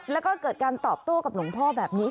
แล้วก็เกิดการตอบโต้กับหลวงพ่อแบบนี้